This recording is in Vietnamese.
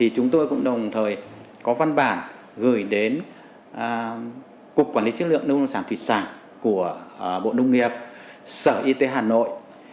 chúng tôi cũng đồng thời có văn bản gửi đến cục quản lý chức lượng đông đông sản thủy sản của bộ đông nghiệp sở y tế hà nội